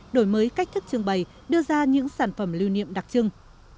đổi mới cách thức trưng bày đưa ra những sản phẩm lưu niệm đặc trưng